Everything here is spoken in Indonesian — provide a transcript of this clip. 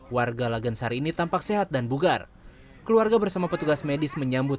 warga lagansari ini tampak sehat dan bugar keluarga bersama petugas medis menyambut